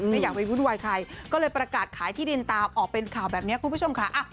ไม่อยากไปวุ่นวายใครก็เลยประกาศขายที่ดินตามออกเป็นข่าวแบบนี้คุณผู้ชมค่ะ